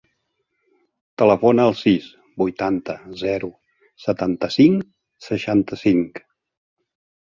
Telefona al sis, vuitanta, zero, setanta-cinc, seixanta-cinc.